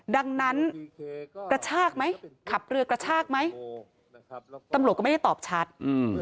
ดังนั้นกระชากไหมขับเรือกระชากไหมตำรวจก็ไม่ได้ตอบชัด